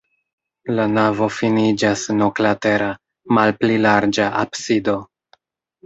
La navo finiĝas en oklatera, malpli larĝa absido.